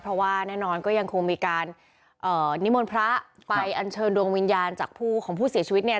เพราะว่าแน่นอนก็ยังคงมีการนิมนต์พระไปอันเชิญดวงวิญญาณจากผู้ของผู้เสียชีวิตเนี่ย